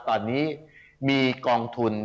ตอนนี้มีกองทุน